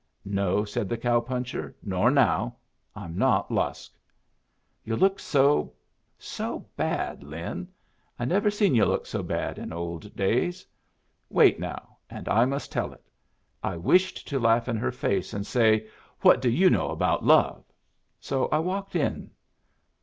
"No," said the cow puncher. "Nor now. I'm not Lusk." "Yu' looked so so bad, Lin. I never seen yu' look so bad in old days. Wait, now, and I must tell it. I wished to laugh in her face and say, 'What do you know about love?' So I walked in.